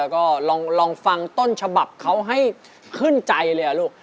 แล้วก็ลองฟังต้นฉบับเขาให้ขึ้นใจเลยลูก